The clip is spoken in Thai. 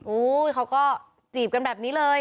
เขาก็จีบกันแบบนี้เลย